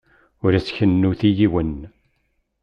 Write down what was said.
Ur as-kennut i yiwen.